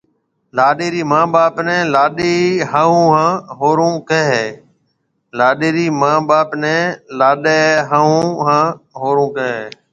لاڏيَ ريَ مان ٻاپ نَي لاڏيِ هاهوُ هانَ هوُرو ڪهيَ هيَ۔